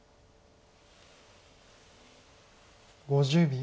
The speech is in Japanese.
５０秒。